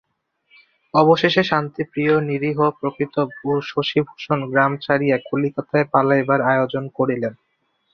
অবশেষে শান্তিপ্রিয় নিরীহ প্রকৃতি শশিভূষণ গ্রাম ছাড়িয়া কলিকাতায় পালাইবার আয়োজন করিলেন।